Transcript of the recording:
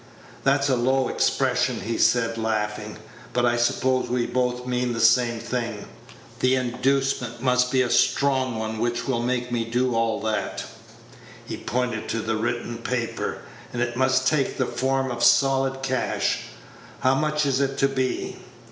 "That's a low expression," he said, laughing; "but I suppose we both mean the same thing. The inducement must be a strong one which will make me do all that" he pointed to the written paper "and it must take the form of solid cash. How much is it to be?"